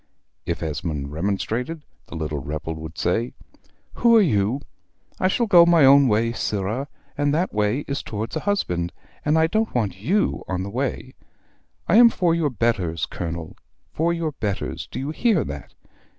If Esmond remonstrated, the little rebel would say "Who are you? I shall go my own way, sirrah, and that way is towards a husband, and I don't want YOU on the way. I am for your betters, Colonel, for your betters: do you hear that?